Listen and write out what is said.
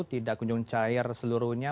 tidak kunjung cair seluruhnya